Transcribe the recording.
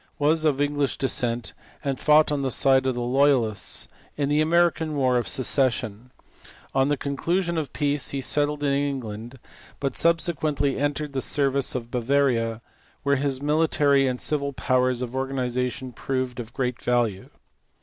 21, 1815, was of English descent and fought on the side of the loyalists in the American War of secession : on the conclusion of peace, he settled in England, but subsequently entered the service of Bavaria where his military and civil powers of organization proved of great value.